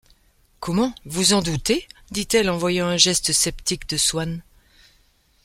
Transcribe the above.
Comment ! vous en doutez ? dit-elle, en voyant un geste sceptique de Swann.